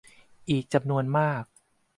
อีกจำนวนมาก